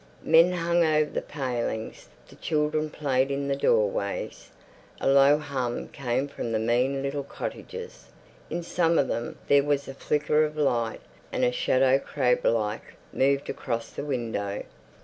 Men hung over the palings; the children played in the doorways. A low hum came from the mean little cottages. In some of them there was a flicker of light, and a shadow, crab like, moved across the window.